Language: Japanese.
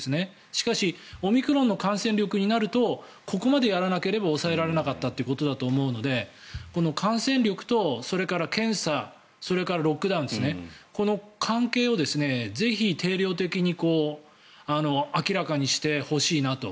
しかしオミクロンの感染力になるとここまでやらなければ抑えられなかったということだと思うので感染力と、それから検査それからロックダウンですねこの関係をぜひ定量的に明らかにしてほしいなと。